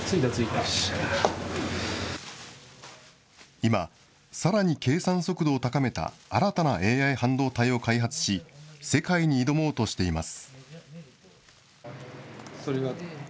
今、さらに計算速度を高めた新たなＡＩ半導体を開発し、世界に挑もうとしています。